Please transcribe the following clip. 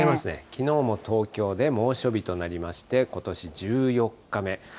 きのうも東京で猛暑日となりまして、ことし１４日目。